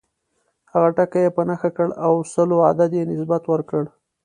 هغه ټکی یې په نښه کړ او سلو عدد یې نسبت ورکړ.